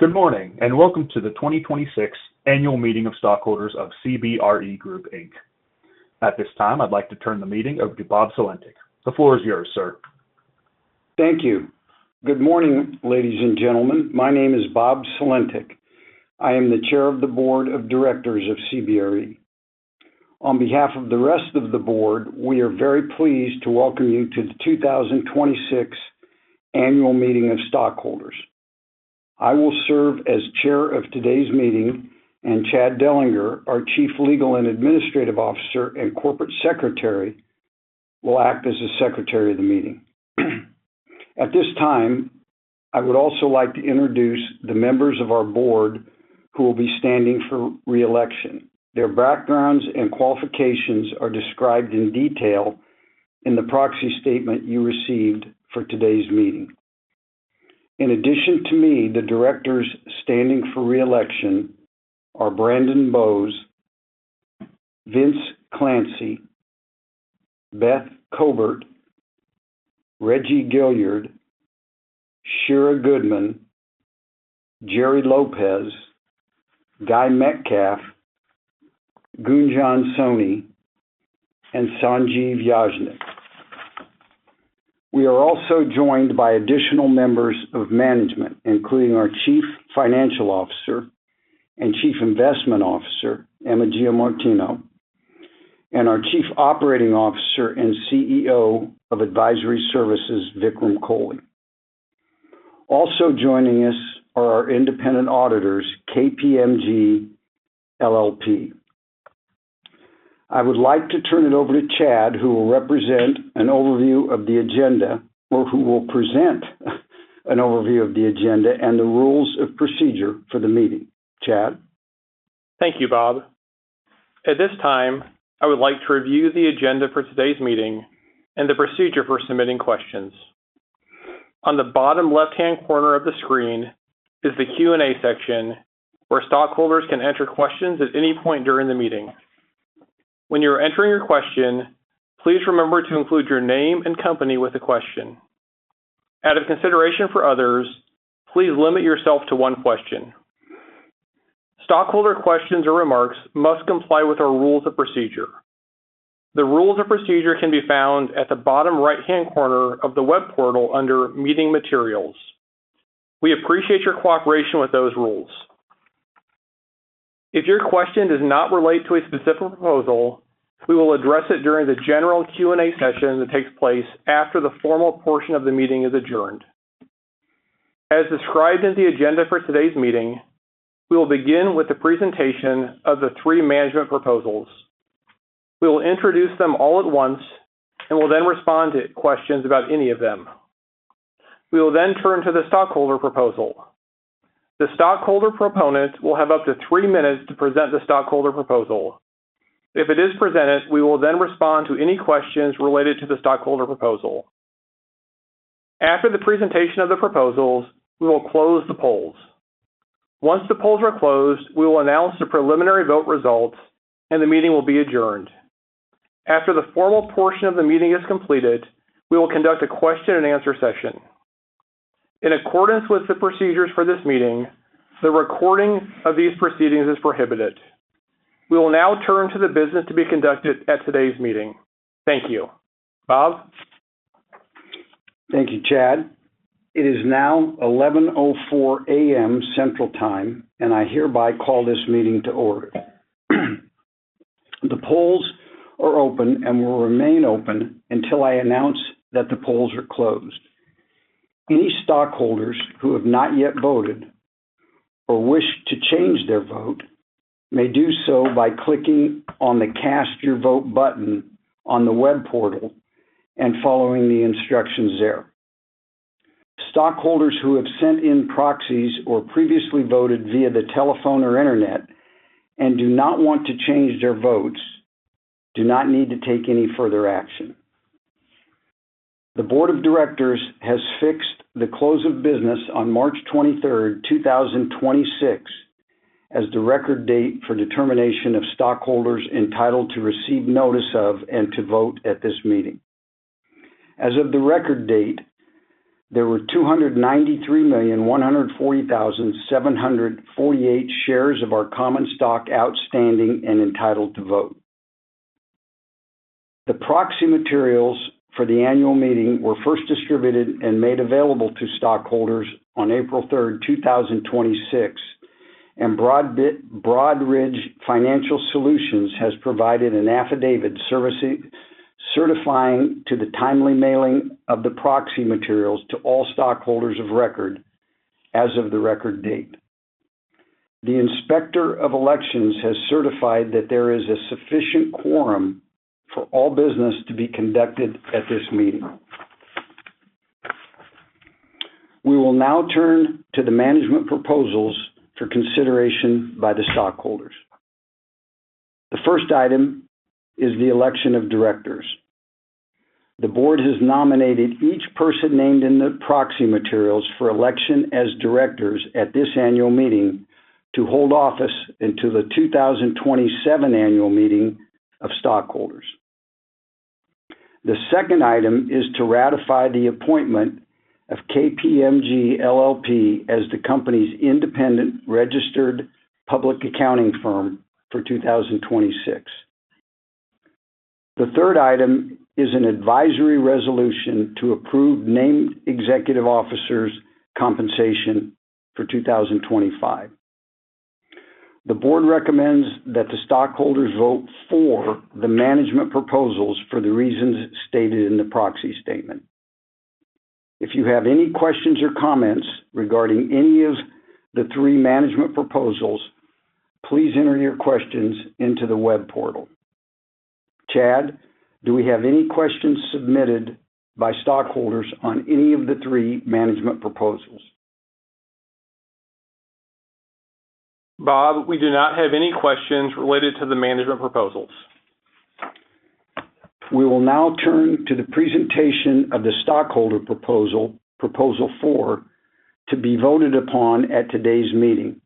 Good morning, welcome to the 2026 Annual Meeting of Stockholders of CBRE Group, Inc. At this time, I'd like to turn the meeting over to Bob Sulentic. The floor is yours, sir. Thank you. Good morning, ladies and gentlemen. My name is Bob Sulentic. I am the Chair of the Board of Directors of CBRE. On behalf of the rest of the Board, we are very pleased to welcome you to the 2026 Annual Meeting of Stockholders. I will serve as Chair of today's meeting, and Chad Doellinger, our Chief Legal and Administrative Officer and Corporate Secretary, will act as the Secretary of the meeting. At this time, I would also like to introduce the members of our Board who will be standing for re-election. Their backgrounds and qualifications are described in detail in the proxy statement you received for today's meeting. In addition to me, the directors standing for re-election are Brandon Boze, Vincent Clancy, Beth Cobert, Reginald Gilyard, Shira Goodman, Gerardo Lopez, Guy Metcalfe, Gunjan Soni, and Sanjiv Yajnik. We are also joined by additional members of management, including our chief financial officer and chief investment officer, Emma Giamartino, and our chief operating officer and CEO of Advisory Services, Vikram Kohli. Also joining us are our independent auditors, KPMG LLP. I would like to turn it over to Chad, who will present an overview of the agenda and the rules of procedure for the meeting. Chad? Thank you, Bob. At this time, I would like to review the agenda for today's meeting and the procedure for submitting questions. On the bottom left-hand corner of the screen is the Q&A section where stockholders can enter questions at any point during the meeting. When you're entering your question, please remember to include your name and company with the question. Out of consideration for others, please limit yourself to one question. Stockholder questions or remarks must comply with our rules of procedure. The rules of procedure can be found at the bottom right-hand corner of the web portal under Meeting Materials. We appreciate your cooperation with those rules. If your question does not relate to a specific proposal, we will address it during the general Q&A session that takes place after the formal portion of the meeting is adjourned. As described in the agenda for today's meeting, we will begin with the presentation of the three management proposals. We will introduce them all at once and will then respond to questions about any of them. We will then turn to the stockholder proposal. The stockholder proponent will have up to three minutes to present the stockholder proposal. If it is presented, we will then respond to any questions related to the stockholder proposal. After the presentation of the proposals, we will close the polls. Once the polls are closed, we will announce the preliminary vote results, and the meeting will be adjourned. After the formal portion of the meeting is completed, we will conduct a question and answer session. In accordance with the procedures for this meeting, the recording of these proceedings is prohibited. We will now turn to the business to be conducted at today's meeting. Thank you. Bob? Thank you, Chad. It is now 11:04 A.M. Central Time, and I hereby call this meeting to order. The polls are open and will remain open until I announce that the polls are closed. Any stockholders who have not yet voted or wish to change their vote may do so by clicking on the Cast Your Vote button on the web portal and following the instructions there. Stockholders who have sent in proxies or previously voted via the telephone or internet and do not want to change their votes do not need to take any further action. The board of directors has fixed the close of business on March 23rd, 2026, as the record date for determination of stockholders entitled to receive notice of and to vote at this meeting. As of the record date, there were 293,140,748 shares of our common stock outstanding and entitled to vote. The proxy materials for the annual meeting were first distributed and made available to stockholders on April 3, 2026. Broadridge Financial Solutions has provided an affidavit certifying to the timely mailing of the proxy materials to all stockholders of record as of the record date. The Inspector of Elections has certified that there is a sufficient quorum for all business to be conducted at this meeting. We will now turn to the management proposals for consideration by the stockholders. The first item is the election of directors. The board has nominated each person named in the proxy materials for election as directors at this annual meeting to hold office until the 2027 Annual Meeting of Stockholders. The second item is to ratify the appointment of KPMG LLP as the company's independent registered public accounting firm for 2026. The third item is an advisory resolution to approve named executive officers' compensation for 2025. The board recommends that the stockholders vote for the management proposals for the reasons stated in the proxy statement. If you have any questions or comments regarding any of the three management proposals, please enter your questions into the web portal. Chad, do we have any questions submitted by stockholders on any of the three management proposals? Bob, we do not have any questions related to the management proposals. We will now turn to the presentation of the stockholder Proposal 4, to be voted upon at today's meeting.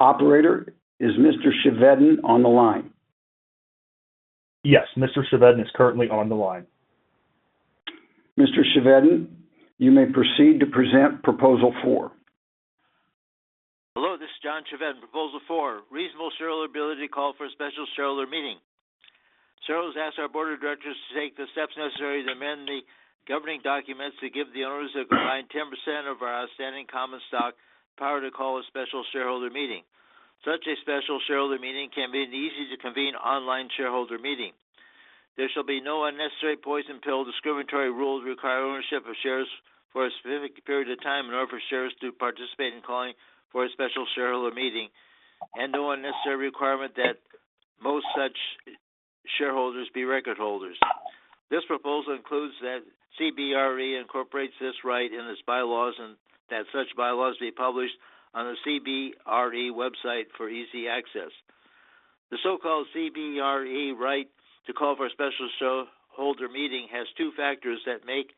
Operator, is Mr. Chevedden on the line? Yes, Mr. Chevedden is currently on the line. Mr. Chevedden, you may proceed to present Proposal 4. Hello, this is John Chevedden, Proposal 4, reasonable shareholder ability to call for a special shareholder meeting. Shareholders ask our board of directors to take the steps necessary to amend the governing documents to give the owners that combine 10% of our outstanding common stock the power to call a special shareholder meeting. Such a special shareholder meeting can be an easy-to-convene online shareholder meeting. There shall be no unnecessary poison pill discriminatory rules require ownership of shares for a specific period of time in order for shares to participate in calling for a special shareholder meeting, and no unnecessary requirement that most such shareholders be record holders. This proposal includes that CBRE incorporates this right in its bylaws and that such bylaws be published on a CBRE website for easy access. The so-called CBRE right to call for a special shareholder meeting has two factors that make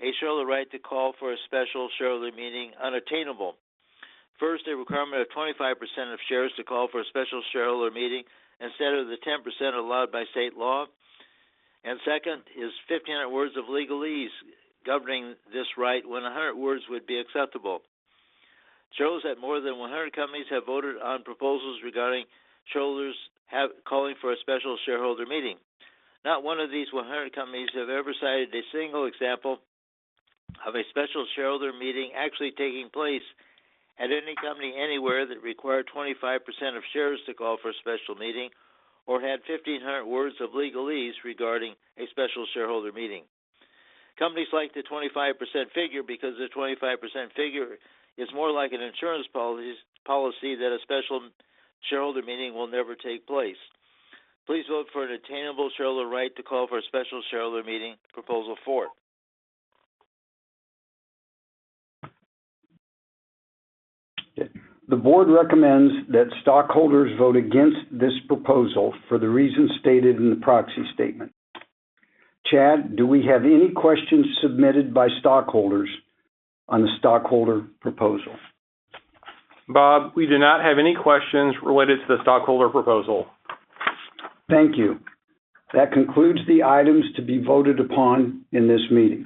a shareholder right to call for a special shareholder meeting unattainable. First, a requirement of 25% of shares to call for a special shareholder meeting instead of the 10% allowed by state law. Second is 1,500 words of legalese governing this right when 100 words would be acceptable. It shows that more than 100 companies have voted on proposals regarding shareholders calling for a special shareholder meeting. Not one of these 100 companies have ever cited a single example of a special shareholder meeting actually taking place at any company anywhere that required 25% of shares to call for a special meeting or had 1,500 words of legalese regarding a special shareholder meeting. Companies like the 25% figure because the 25% figure is more like an insurance policy that a special shareholder meeting will never take place. Please vote for an attainable shareholder right to call for a special shareholder meeting, Proposal 4. The board recommends that stockholders vote against this proposal for the reasons stated in the proxy statement. Chad, do we have any questions submitted by stockholders on the stockholder proposal? Bob, we do not have any questions related to the stockholder proposal. Thank you. That concludes the items to be voted upon in this meeting.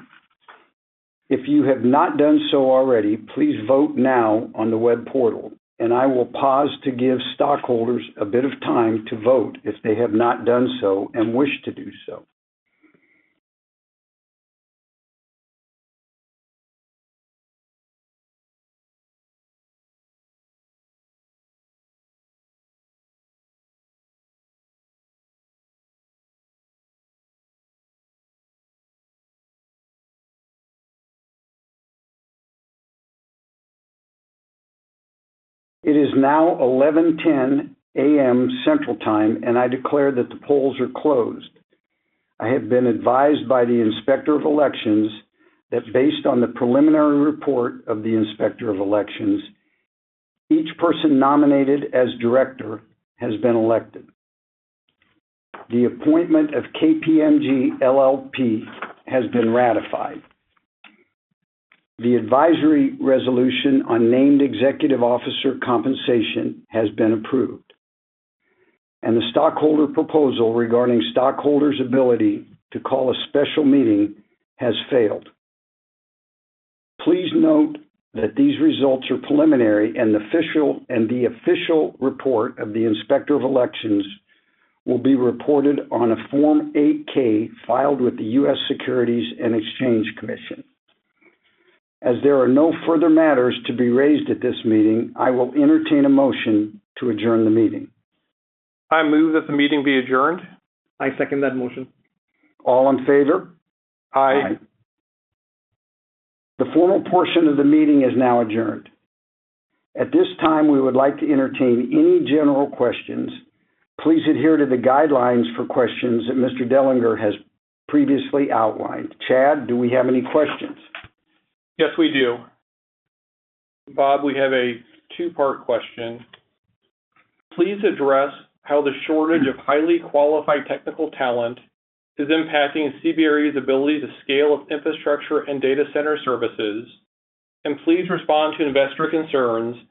If you have not done so already, please vote now on the web portal, and I will pause to give stockholders a bit of time to vote if they have not done so and wish to do so. It is now 11:10 A.M. Central Time, and I declare that the polls are closed. I have been advised by the Inspector of Elections that based on the preliminary report of the Inspector of Elections, each person nominated as director has been elected. The appointment of KPMG LLP has been ratified. The advisory resolution on named executive officer compensation has been approved, and the stockholder proposal regarding stockholders' ability to call a special meeting has failed. Please note that these results are preliminary, and the official report of the Inspector of Elections will be reported on a Form 8-K filed with the U.S. Securities and Exchange Commission. As there are no further matters to be raised at this meeting, I will entertain a motion to adjourn the meeting. I move that the meeting be adjourned. I second that motion. All in favor? Aye. The formal portion of the meeting is now adjourned. At this time, we would like to entertain any general questions. Please adhere to the guidelines for questions that Mr. Doellinger has previously outlined. Chad, do we have any questions? Yes, we do. Bob, we have a two-part question. Please address how the shortage of highly qualified technical talent is impacting CBRE's ability to scale up infrastructure and data center services, please respond to investor concerns.